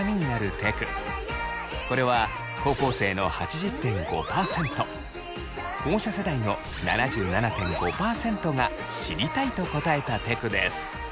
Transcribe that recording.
これは高校生の８０．５％保護者世代の７７．５％が「知りたい」と答えたテクです。